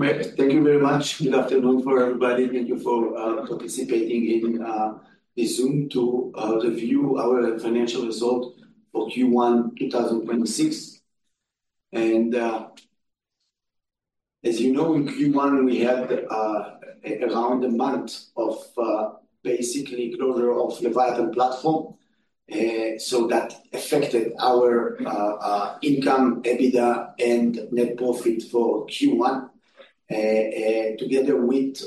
Thank you, thank you very much. Good afternoon for everybody. Thank you for, participating in, the Zoom to, review our financial result for Q1 2026. As you know, in Q1 we had, around a month of, basically closure of Leviathan platform, so that affected our, income, EBITDA, and net profit for Q1. together with,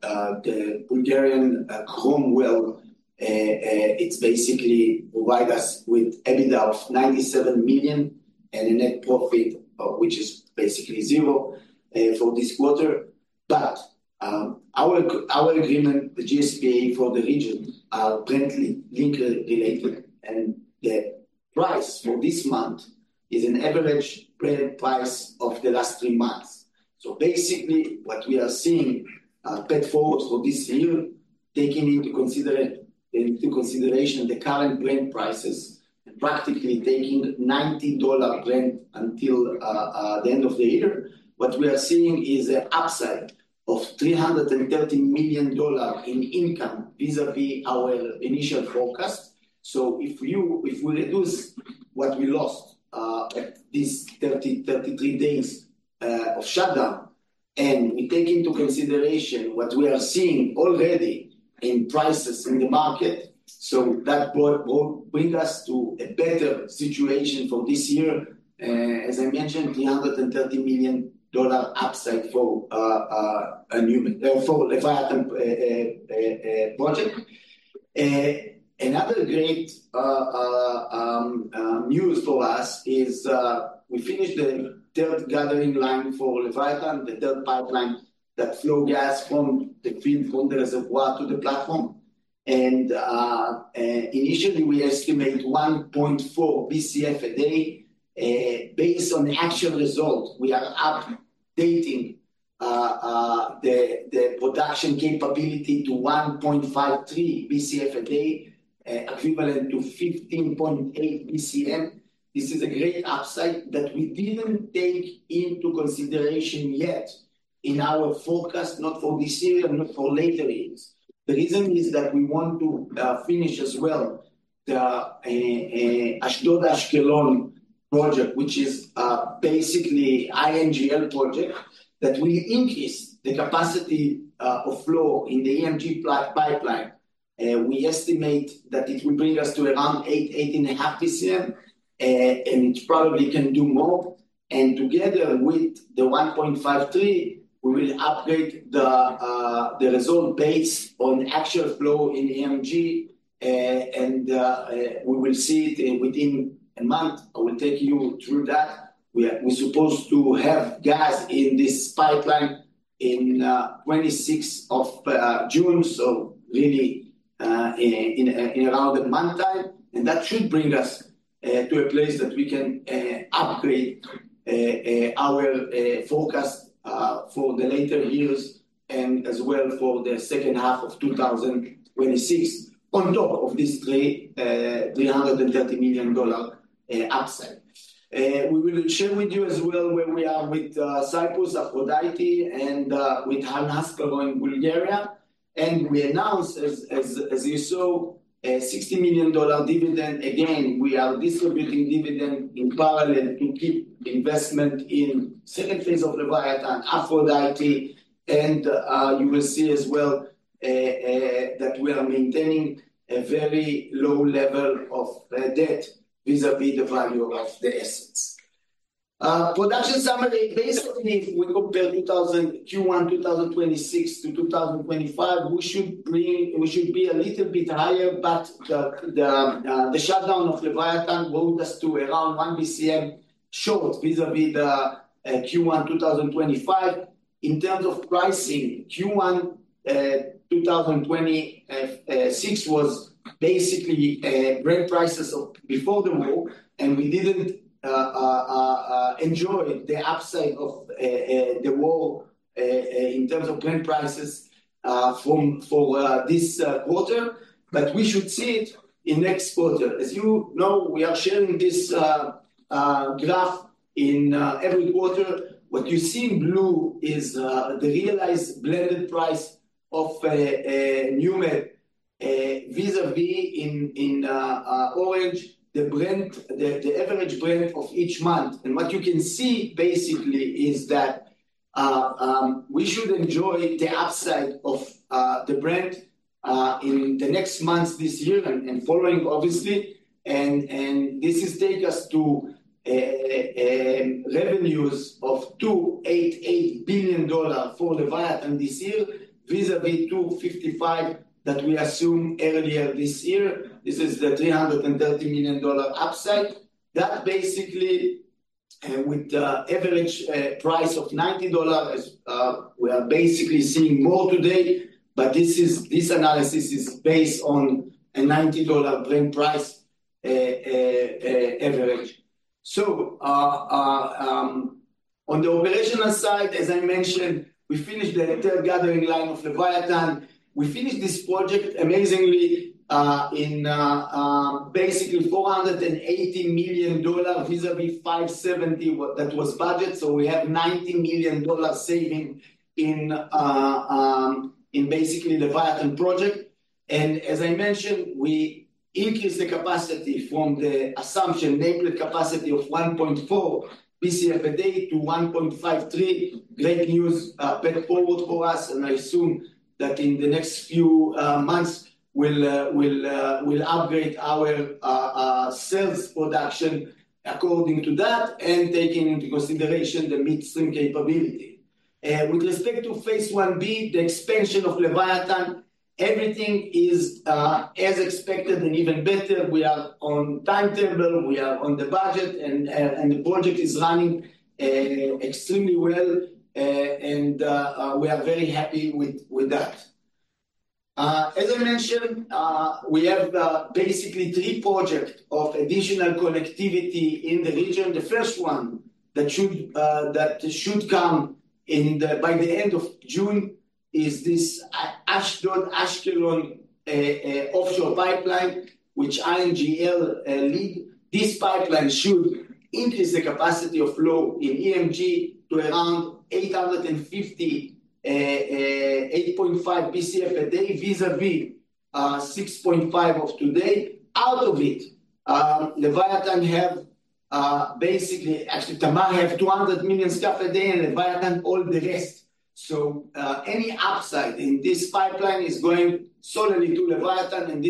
the [Bulgarian Commonwealth], it's basically provide us with EBITDA of $97 million and a net profit, which is basically zero, for this quarter. Our agreement, the GSPA for the region, are currently link-related, and the price for this month is an average Brent price of the last three months. Basically what we are seeing, put forward for this year, taking into consideration the current Brent prices and practically taking $90 Brent until the end of the year, what we are seeing is an upside of $330 million in income vis-à-vis our initial forecast. If you if we reduce what we lost, at these 30-33 days of shutdown, and we take into consideration what we are seeing already in prices in the market, that bring us to a better situation for this year. As I mentioned, $330 million upside for NewMed or for Leviathan project. Another great news for us is we finished the third gathering line for Leviathan, the third pipeline that flow gas from the field from the reservoir to the platform. Initially we estimate 1.4 BCF a day, based on the actual result, we are updating the production capability to 1.53 BCF a day, equivalent to 15.8 BCM. This is a great upside that we didn't take into consideration yet in our forecast, not for this year and not for later years. The reason is that we want to finish as well the Ashdod-Ashkelon project, which is basically INGL project, that will increase the capacity of flow in the EMG pipeline. We estimate that it will bring us to around 8 BCM-8.5 BCM, and it probably can do more. Together with the 1.53, we will upgrade the result based on actual flow in EMG, and we will see it within one month. I will take you through that. We're supposed to have gas in this pipeline in June 26th, so really, in around a month time. That should bring us to a place that we can upgrade our forecast for the later years and as well for the second half of 2026 on top of this $330 million upside. We will share with you as well where we are with Cyprus, Aphrodite, and with Han Asparuh in Bulgaria. We announced, as you saw, $60 million dividend. Again, we are distributing dividend in parallel to keep investment in second phase of Leviathan, Aphrodite, and you will see as well that we are maintaining a very low level of debt vis-à-vis the value of the assets. Production summary, basically if we compare Q1 2026-2025, we should be a little bit higher, but the shutdown of Leviathan brought us to around 1 BCM short vis-à-vis Q1 2025. In terms of pricing, Q1 2026 was basically Brent prices of before the war, and we didn't enjoy the upside of the war in terms of Brent prices for this quarter. We should see it in next quarter. As you know, we are sharing this graph in every quarter. What you see in blue is the realized blended price of NewMed vis-à-vis in orange the Brent, the average Brent of each month. What you can see basically is that we should enjoy the upside of the Brent in the next months this year and following, obviously. This is take us to revenues of $288 billion for Leviathan this year vis-à-vis $255 billion that we assume earlier this year. This is the $330 million upside. Basically, with the average price of $90, we are basically seeing more today. This analysis is based on a $90 Brent price, average. On the operational side, as I mentioned, we finished the third gathering line of Leviathan. We finished this project, amazingly, in basically $480 million vis-à-vis $570 million what that was budget. We have $90 million saving in basically Leviathan project. As I mentioned, we increased the capacity from the assumption nameplate capacity of 1.4 BCF a day to 1.53. Great news, put forward for us. I assume that in the next few months we'll upgrade our sales production according to that and taking into consideration the midstream capability. With respect to phase 1B, the expansion of Leviathan, everything is as expected and even better. We are on timetable. We are on budget, and the project is running extremely well. We are very happy with that. As I mentioned, we have basically three projects of additional connectivity in the region. The first one that should come by the end of June is this Ashdod-Ashkelon offshore pipeline, which INGL lead. This pipeline should increase the capacity of flow in EMG to around 8.5 BCF a day vis-à-vis 6.5 BCF of today. Out of it, Leviathan have basically actually, Tamar have 200 million stuff a day and Leviathan all the rest. Any upside in this pipeline is going solely to Leviathan,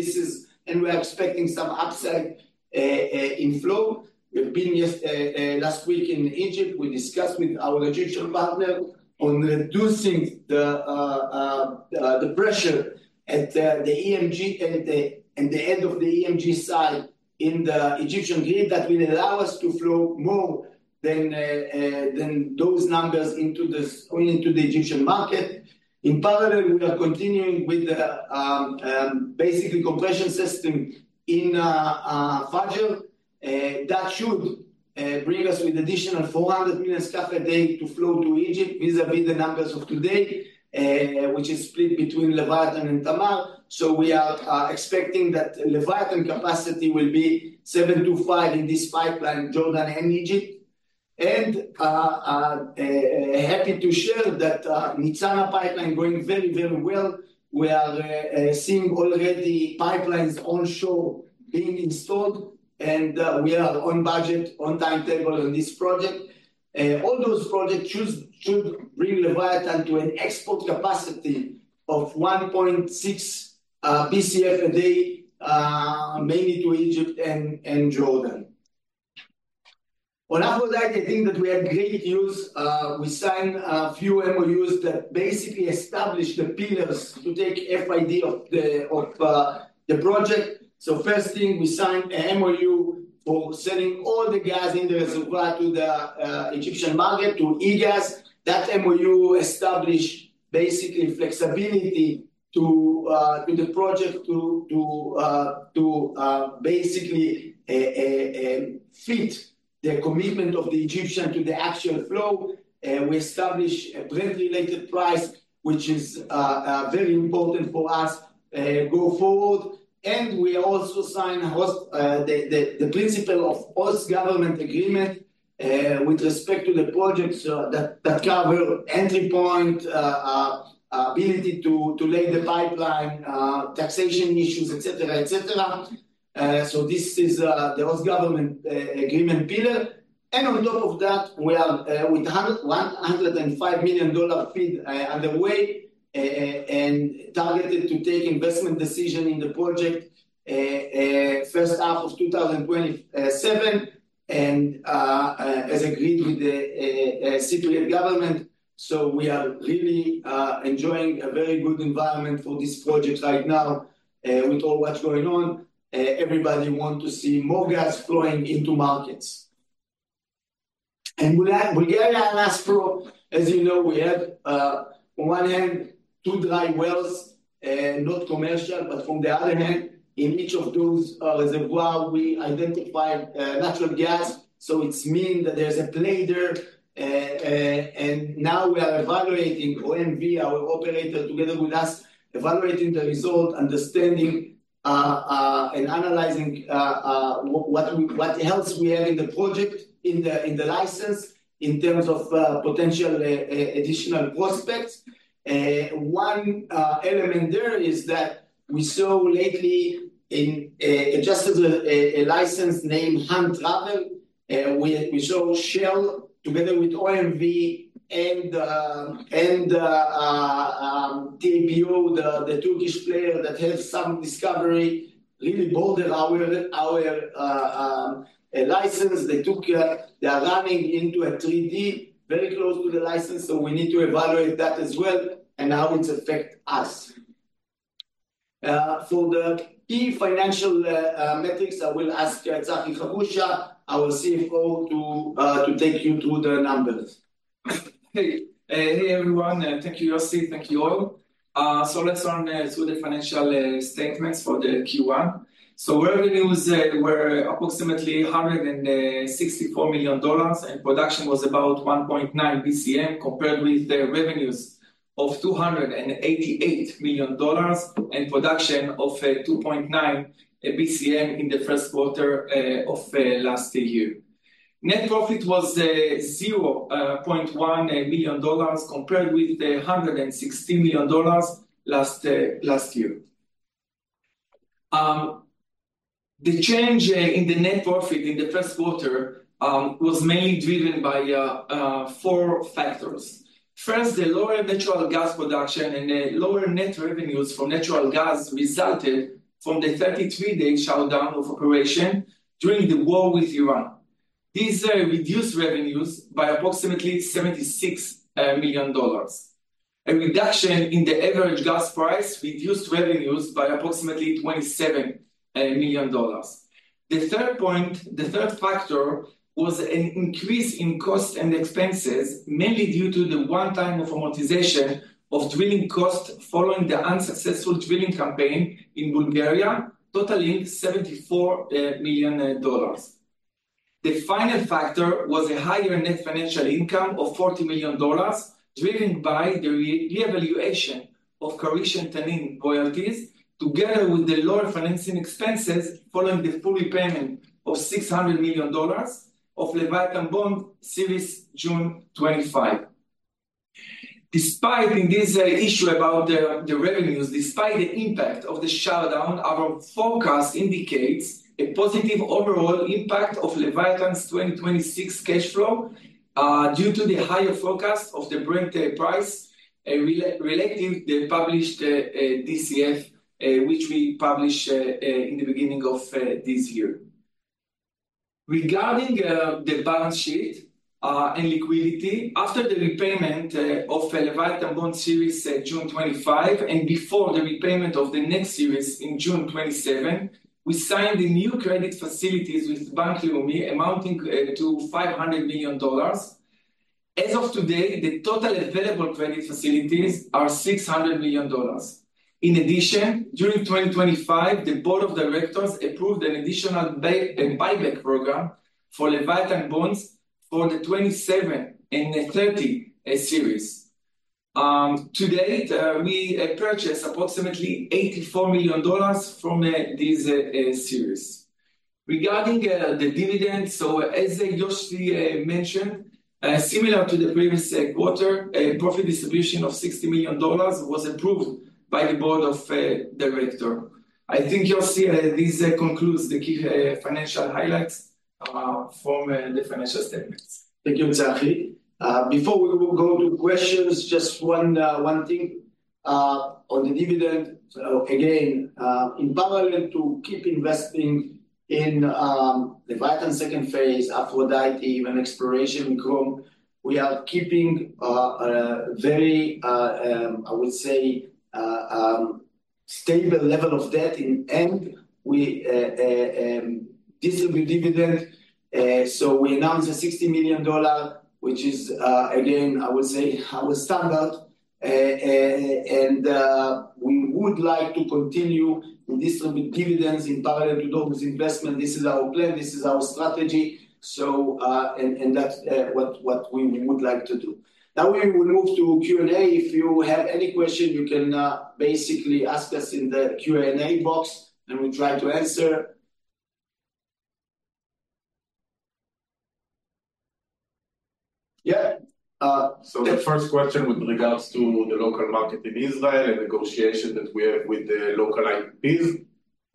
and we're expecting some upside in flow. We've been last week in Egypt. We discussed with our Egyptian partner on reducing the pressure at the EMG at the end of the EMG side in the Egyptian grid that will allow us to flow more than those numbers into the Egyptian market. We are continuing with the basically compression system in Fajr that should bring us with additional 400 million stuff a day to flow to Egypt vis-à-vis the numbers of today, which is split between Leviathan and Tamar. We are expecting that Leviathan capacity will be 725 in this pipeline, Jordan and Egypt. Happy to share that Nitzana pipeline going very well. We are seeing already pipelines onshore being installed, we are on budget, on time table in this project. All those projects should bring Leviathan to an export capacity of 1.6 BCF a day, mainly to Egypt and Jordan. On Aphrodite, I think that we had great news. We signed a few MOUs that basically established the pillars to take FID of the project. First thing, we signed an MOU for selling all the gas in the reservoir to the Egyptian market, to EGAS. That MOU established basically flexibility to the project to basically fit the commitment of the Egyptian to the actual flow. We established a Brent-related price, which is very important for us go forward. We also signed the principle of Host Government Agreement, with respect to the projects that cover entry point, ability to lay the pipeline, taxation issues, etc., etc. This is the Host Government Agreement pillar. On top of that, we are, with $105 million FEED, underway, and targeted to take investment decision in the project, first half of 2027, as agreed with the Cypriot government. We are really enjoying a very good environment for this project right now, with all what's going on. Everybody wants to see more gas flowing into markets. And with the last row, as you know, we have one and two dry wells, not from commercial, but from the other hand, in each of those reservoirs, we identified natural gas. It's mean that there's a play there. Now we are evaluating OMV, our operator, together with us, evaluating the result, understanding, and analyzing what else we have in the project, in the license, in terms of potential additional prospects. One element there is that we saw lately in a license named Han Asparuh. We saw Shell together with OMV and TPAO, the Turkish player that has some discovery, really border our license. They are running into a 3D very close to the license. We need to evaluate that as well. Now it affects us. For the key financial metrics, I will ask Tzachi Habusha, our CFO, to take you through the numbers. Hey everyone. Thank you, Yossi. Thank you all. Let's run through the financial statements for the Q1. Revenues were approximately $164 million, and production was about 1.9 BCM compared with revenues of $288 million and production of 2.9 BCM in the first quarter of last year. Net profit was $0.1 million compared with $160 million last year. The change in the net profit in the first quarter was mainly driven by four factors. First, the lower natural gas production and the lower net revenues from natural gas resulted from the 33-day shutdown of operation during the war with Iran. These reduced revenues by approximately $76 million. A reduction in the average gas price reduced revenues by approximately $27 million. The third point, the third factor, was an increase in cost and expenses, mainly due to the one-time amortization of drilling costs following the unsuccessful drilling campaign in Bulgaria, totaling $74 million. The final factor was a higher net financial income of $40 million driven by the revaluation of Karish Tanin royalties together with the lower financing expenses following the full repayment of $600 million of Leviathan Bond Series June 2025. Despite in this issue about the revenues, despite the impact of the shutdown, our forecast indicates a positive overall impact of Leviathan's 2026 cash flow, due to the higher forecast of the Brent price relative to the published DCF, which we publish in the beginning of this year. Regarding the balance sheet and liquidity, after the repayment of Leviathan Bond Series June 2025 and before the repayment of the next series in June 2027, we signed the new credit facilities with Bank Leumi amounting to $500 million. As of today, the total available credit facilities are $600 million. In addition, during 2025, the board of directors approved an additional buyback program for Leviathan Bonds for the 27 and 30 series. To date, we purchased approximately $84 million from this series. Regarding the dividends, as Yossi mentioned, similar to the previous quarter, a profit distribution of $60 million was approved by the board of directors. I think, Yossi, this concludes the key financial highlights from the financial statements. Thank you, Tzachi. Before we go to questions, just one thing. On the dividend, again, in parallel to keep investing in Leviathan second phase, Aphrodite, even exploration in [Chrome], we are keeping a very, I would say, stable level of debt in hand. We distribute dividends. We announced a $60 million, which is again, I would say, our standard. We would like to continue to distribute dividends in parallel to those investments. This is our plan. This is our strategy. That's what we would like to do. Now we will move to Q&A. If you have any question, you can basically ask us in the Q&A box, we'll try to answer. The first question with regards to the local market in Israel and negotiation that we have with the local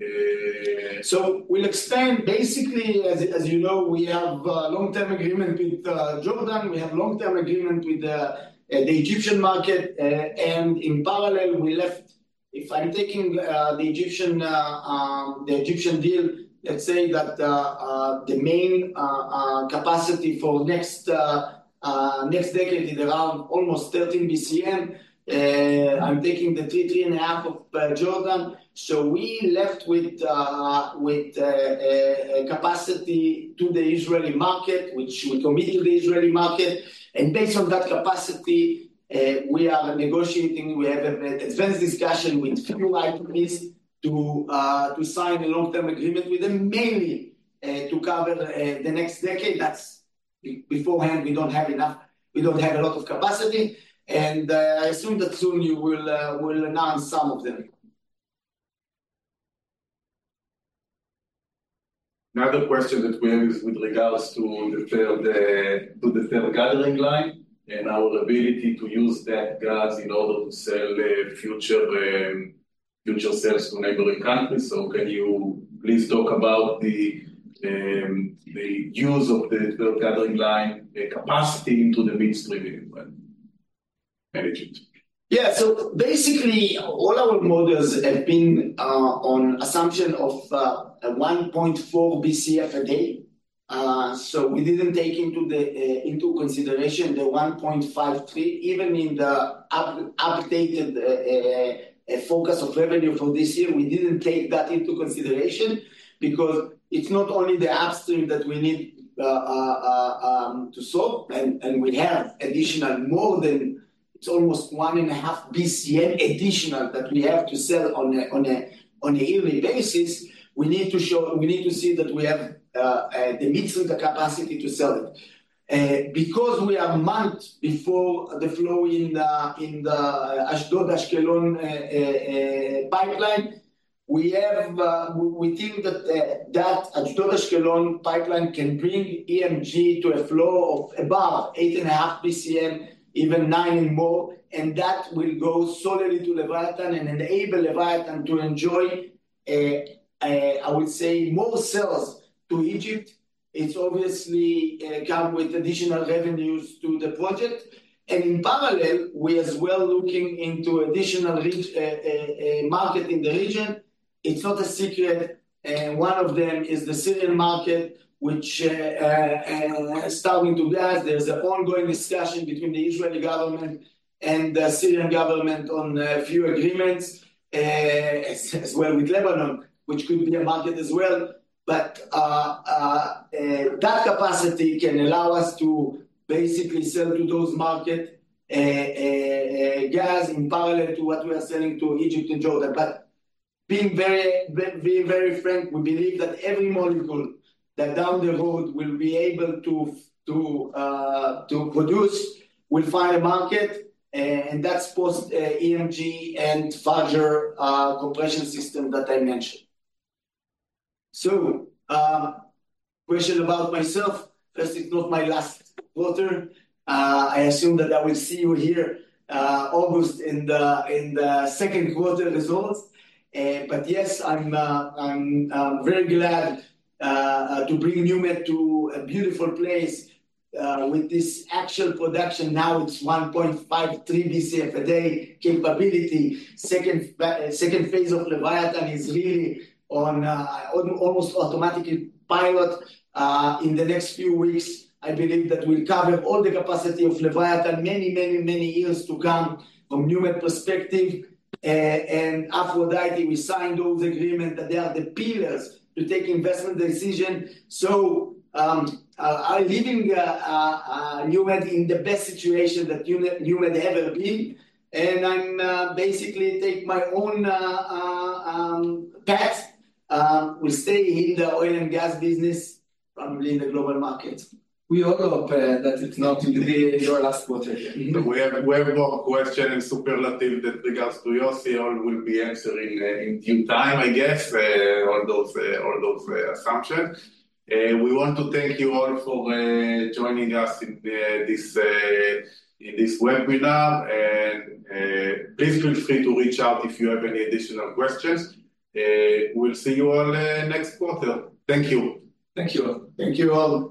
IPPs? We'll expand basically, as you know, we have a long-term agreement with Jordan. We have long-term agreement with the Egyptian market. In parallel, we left, if I'm taking the Egyptian deal, let's say that the main capacity for next decade is around almost 13 BCM. I'm taking the three and a half of Jordan. We left with capacity to the Israeli market, which we committed to the Israeli market. Based on that capacity, we are negotiating. We have an advanced discussion with few IPPs to sign a long-term agreement with them, mainly to cover the next decade. That's beforehand. We don't have enough. We don't have a lot of capacity. I assume that soon you will announce some of them. Another question that we have is with regards to the third gathering line and our ability to use that gas in order to sell future sales to neighboring countries. Can you please talk about the use of the third gathering line capacity into the midstream in Israel? Manage it. Yeah. Basically, all our models have been on assumption of 1.4 BCF a day. We didn't take into consideration the 1.53, even in the updated focus of revenue for this year. We didn't take that into consideration because it's not only the upstream that we need to solve. We have additional more than it's almost one and a half BCM additional that we have to sell on a yearly basis. We need to see that we have the midstream capacity to sell it. because we are a month before the flow in the Ashdod-Ashkelon pipeline, we think that Ashdod-Ashkelon pipeline can bring EMG to a flow of above eight and a half BCM, even nine and more. That will go solidly to Leviathan and enable Leviathan to enjoy, I would say, more sales to Egypt. It's obviously come with additional revenues to the project. In parallel, we as well looking into additional market in the region. It's not a secret. One of them is the Syrian market, which, starting to gas. There's an ongoing discussion between the Israeli government and the Syrian government on a few agreements, as well with Lebanon, which could be a market as well. That capacity can allow us to basically sell to those markets, gas in parallel to what we are selling to Egypt and Jordan. Being very, very frank, we believe that every molecule that down the road will be able to produce will find a market. That's post-EMG and Fajr, compression system that I mentioned. Question about myself. First, it's not my last quarter. I assume that I will see you here, August in the second quarter results. Yes, I'm very glad to bring NewMed to a beautiful place, with this actual production. Now it's 1.53 BCF a day capability. Second phase of Leviathan is really on, almost automatic pilot. In the next few weeks, I believe that we'll cover all the capacity of Leviathan, many years to come from NewMed perspective. Aphrodite, we signed those agreements that they are the pillars to take investment decision. I'm leaving NewMed in the best situation that NewMed ever been. I'm basically take my own path. We'll stay in the oil and gas business, probably in the global markets. We all hope that it's not in the year last quarter. We have more questions and superlatives that regards to Yossi. All will be answered in due time, I guess, all those assumptions. We want to thank you all for joining us in this webinar. Please feel free to reach out if you have any additional questions. We'll see you all, next quarter. Thank you. Thank you. Thank you all.